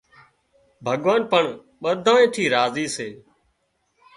ڀڳوان پڻ ٻڌانئي ٿي راضي سي